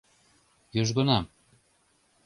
Южгунам...